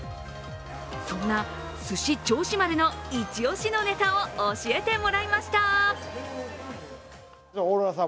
そんなすし銚子丸のイチオシのネタを教えてもらいました。